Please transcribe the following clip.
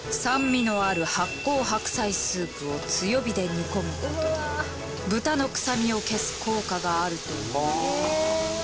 酸味のある発酵白菜スープを強火で煮込む事で豚の臭みを消す効果があるという。